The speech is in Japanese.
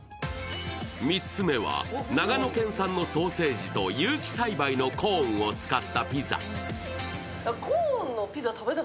３つ目は長野県産のソーセージと有機栽培のコーンを使ったピザ。